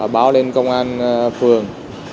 báo lên công an phường